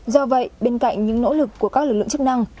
do vậy bên cạnh những nỗ lực của các lực lượng chức năng